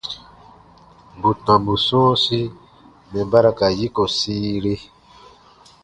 Bù tɔmbu sɔ̃ɔsi mɛ̀ ba ra ka yiko sĩire.